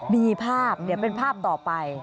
มีภาพเป็นภาพต่อไป